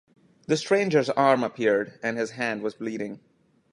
The stranger’s arm appeared, and his hand was bleeding.